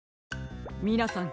みなさん